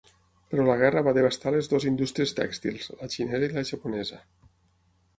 Però la guerra va devastar les dues indústries tèxtils, la xinesa i la japonesa.